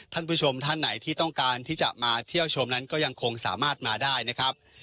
ท่านผู้ชมท่านไหนที่ต้องการที่จะมาเที่ยวชมนั้นก็ยังคงสามารถมาได้นะครับ